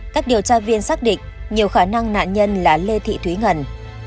các điều tra viên xác định nhiều khả năng nạn nhân là lê thị thúy ngân